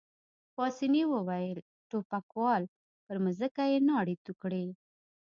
پاسیني وویل: ټوپکوال، پر مځکه يې ناړې تو کړې.